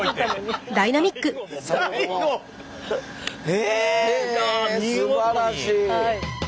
へえすばらしい！